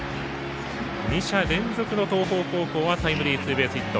２者連続の東邦高校はタイムリーツーベースヒット。